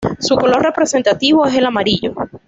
Su color representativo es el amarillo.